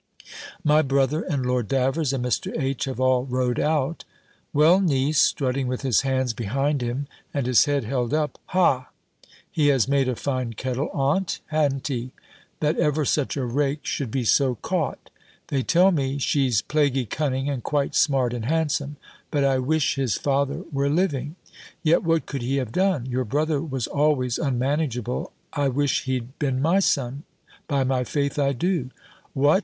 "My brother, and Lord Davers, and Mr. H. have all rode out." "Well, niece," strutting with his hands behind him, and his head held up "Ha! He has made a fine kettle on't han't he? that ever such a rake should be so caught! They tell me, she's plaguy cunning, and quite smart and handsome. But I wish his father were living. Yet what could he have done? Your brother was always unmanageable. I wish he'd been my son; by my faith, I do! What!